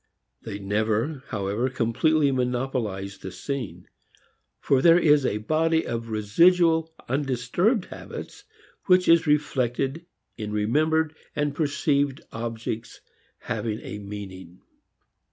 They never, however, completely monopolize the scene; for there is a body of residual undisturbed habits which is reflected in remembered and perceived objects having a meaning.